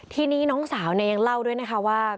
ทีนี้น้องสาวยังเล่าด้วยนะคะว่า